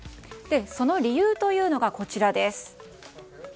その理由というのがこちらです。